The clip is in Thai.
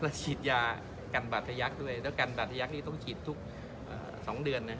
แล้วฉีดยากันบาทยักษ์ด้วยแล้วกันบาทยักษ์ที่ต้องฉีดทุกสองเดือนนะครับ